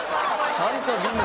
ちゃんと見んな！